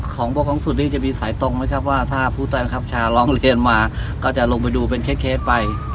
ของพวกของสุดนี้จะมีสายตรงไหมครับว่าถ้าผู้ใต้บังคับชาร้องเรียนมาก็จะลงไปดูเป็นเคสไป